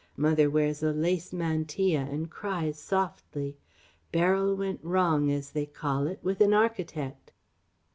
Mother wears a lace mantilla and cries softly. Beryl went wrong, as they call it, with an architect."